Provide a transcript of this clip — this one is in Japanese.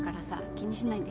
気にしないで。